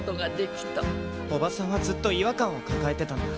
おばさんはずっと違和感を抱えてたんだ。